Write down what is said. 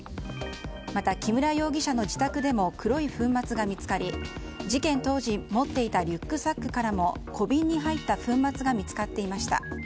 また木村容疑者の自宅でも黒い粉末が見つかり事件当時持っていたリュックサックからも小瓶に入った粉末が見つかっていました。